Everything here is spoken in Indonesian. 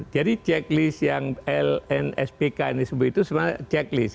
jadi checklist yang lnspk ini sebut itu sebenarnya checklist